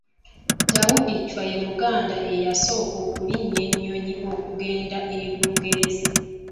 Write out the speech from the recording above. Daudi Chwa ye muganda eyasooka okulinnya ennyonyi okugenda e Bungereza.